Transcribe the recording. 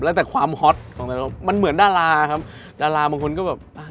แล้วแต่ความฮอตของมันเหมือนดาราครับดาราบางคนก็แบบอ่ะ